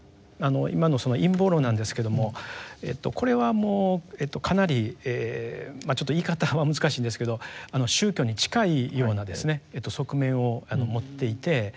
今のその陰謀論なんですけどもこれはもうかなりまあちょっと言い方は難しいんですけど宗教に近いような側面を持っていて。